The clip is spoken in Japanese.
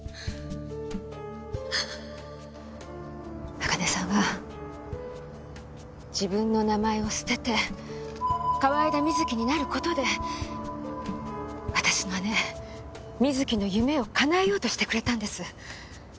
朱音さんは自分の名前を捨てて河井田瑞希になる事で私の姉瑞希の夢をかなえようとしてくれたんです。